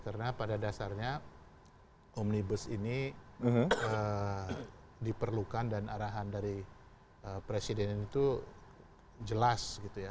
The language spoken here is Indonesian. karena pada dasarnya omnibus ini diperlukan dan arahan dari presiden itu jelas gitu ya